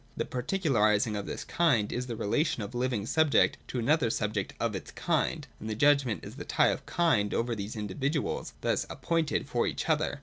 The particularising of this Kind is the relation of the living subject to another subject of its Kind : and the judgment is the tie of Kind over these individuals thus appointed for each other.